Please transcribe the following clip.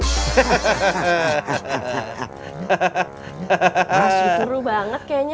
mas itu ru banget kayaknya